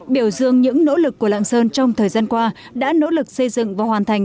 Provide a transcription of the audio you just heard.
biểu dương những nỗ lực của lạng sơn trong thời gian qua đã nỗ lực xây dựng và hoàn thành